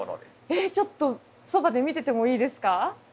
えっちょっとそばで見ててもいいですか？